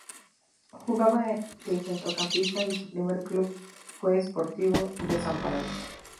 Jugaba de centrocampista y su primer club fue Sportivo Desamparados.